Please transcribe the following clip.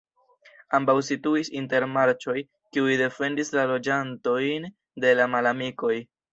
Ambaŭ situis inter marĉoj, kiuj defendis la loĝantojn de la malamikoj.